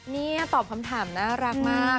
นี่ตอบคำถามน่ารักมาก